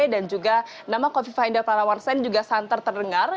dan juga nama coffee finder parawar sen juga santer terdengar